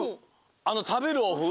あのたべるおふ？